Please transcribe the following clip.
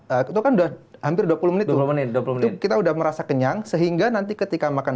aku tuh kan sudah hampir dua puluh menit dua belas l kok kita udah merasa kenyang sehingga nanti ketika makan